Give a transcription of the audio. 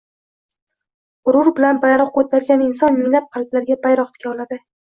G‘urur bilan bayroq ko‘targan inson minglab qalblarga bayroq tika oladi